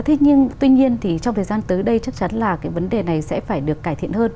thế nhưng tuy nhiên thì trong thời gian tới đây chắc chắn là cái vấn đề này sẽ phải được cải thiện hơn